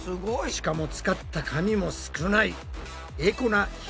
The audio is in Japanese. しかも使った紙も少ない。